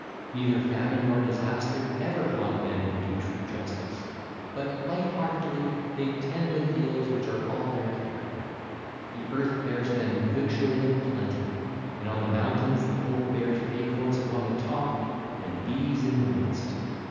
Neither famine nor disaster ever haunt men who do true justice; but light heartedly they tend the fields which are all their care. The earth bears them victual in plenty, and on the mountains the oak bears acorns upon the top and bees in the midst.